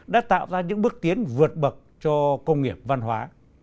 đã tạo ra những bước tiến vượt bậc cho công nghiệp văn hóa